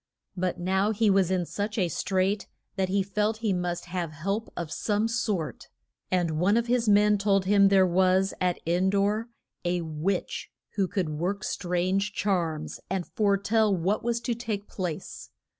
But now he was in such a strait that he felt he must have help of some sort. And one of his men told him there was at En dor a witch who could work strange charms, and fore tell what was to take place.